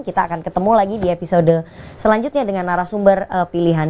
kita akan ketemu lagi di episode selanjutnya dengan narasumber pilihan